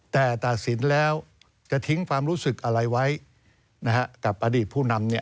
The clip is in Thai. แต่ตัดสินแล้วจะทิ้งความรู้สึกอะไรไว้กับอดีตผู้นำ